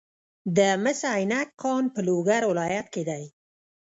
د مس عینک کان په لوګر ولایت کې دی.